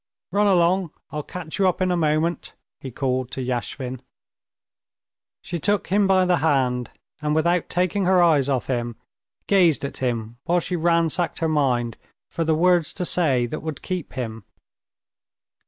"Run along! I'll catch you up in a moment," he called to Yashvin. She took him by the hand, and without taking her eyes off him, gazed at him while she ransacked her mind for the words to say that would keep him.